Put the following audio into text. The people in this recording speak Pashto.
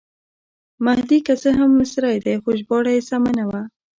مهدي که څه هم مصری دی خو ژباړه یې سمه نه وه.